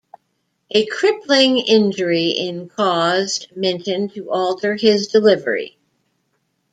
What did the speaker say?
A crippling injury in caused Minton to alter his delivery.